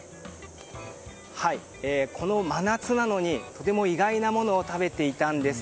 この真夏なのに、とても意外なものを食べていたんです。